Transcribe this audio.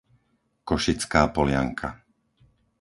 Košická Polianka